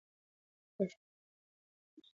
پښتو متلونه د ژوند فلسفه ده.